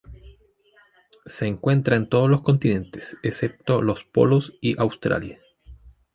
Se encuentra en todos los continentes, excepto los polos y Australia.